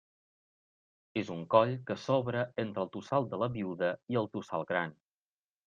És un coll que s'obre entre el Tossal de la Viuda i el Tossal Gran.